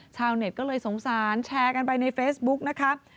ชาวเน็ตก็เลยสงสารแชร์กันไปในเฟซบุ๊กนะครับ